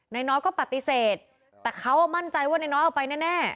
นายน้อยก็ปฏิเสธแต่เขามั่นใจว่านายน้อยเอาไปแน่